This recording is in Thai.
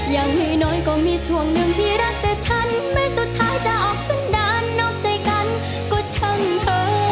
อย่างน้อยก็มีช่วงหนึ่งที่รักแต่ฉันแม้สุดท้ายจะออกสันดาลนอกใจกันก็ช่างเธอ